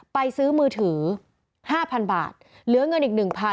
ไปซื้อมือถือ๕๐๐๐บาทเหลือเงินอีก๑๐๐๐